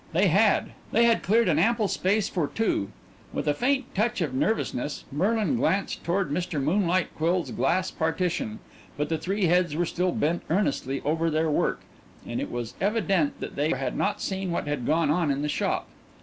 They had; they had cleared an ample space for two. With a faint touch of nervousness Merlin glanced toward Mr. Moonlight Quill's glass partition, but the three heads were still bent earnestly over their work, and it was evident that they had not seen what had gone on in the shop.